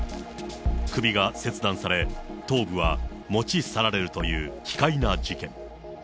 首が切断され、頭部は持ち去られるという奇怪な事件。